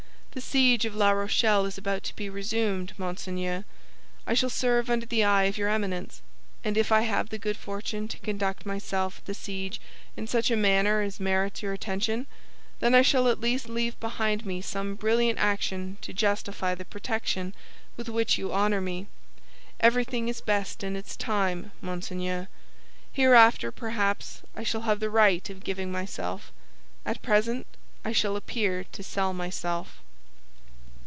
The siege of La Rochelle is about to be resumed, monseigneur. I shall serve under the eye of your Eminence, and if I have the good fortune to conduct myself at the siege in such a manner as merits your attention, then I shall at least leave behind me some brilliant action to justify the protection with which you honor me. Everything is best in its time, monseigneur. Hereafter, perhaps, I shall have the right of giving myself; at present I shall appear to sell myself."